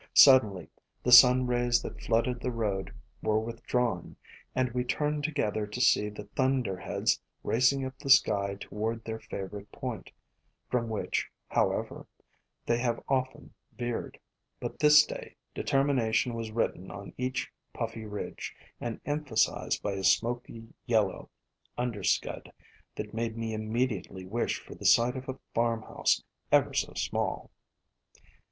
Suddenly the sun rays that flooded the road were withdrawn, and we turned together to see the thunder heads racing up the sky toward their favorite point, from which, however, they have often veered. But this day determination was written on each puffy ridge, and emphasized by a smoky yellow underscud that made me immediately wish for the sight of a farmhouse, ever so small.